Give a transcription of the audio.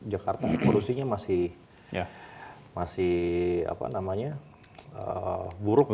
jakarta polusinya masih buruk